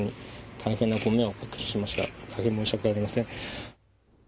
大変申し訳ありません。